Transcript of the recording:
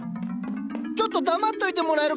ちょっと黙っといてもらえるかな？